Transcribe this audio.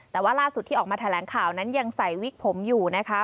แต่ว่าล่าสุดที่ออกมาแถลงข่าวนั้นยังใส่วิกผมอยู่นะคะ